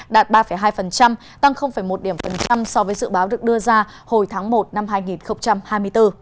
đạt ba hai tăng một so với dự báo được đưa ra hồi tháng một năm hai nghìn hai mươi